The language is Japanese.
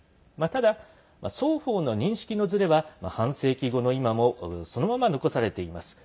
ただ、双方の認識のずれは半世紀後の今もそのまま残されています。